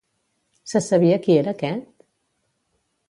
Se sabia qui era aquest?